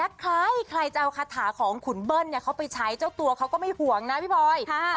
ถ้าใครใครจะเอาคาถาของขุนเบิ้ลเนี่ยเขาไปใช้เจ้าตัวเขาก็ไม่ห่วงนะพี่บอยค่ะ